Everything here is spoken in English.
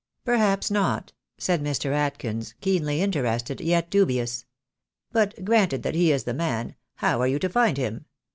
"Perhaps not," said Mr. Adkins, keenly interested, yet dubious. "But, granted that he is the man, how are you to find him?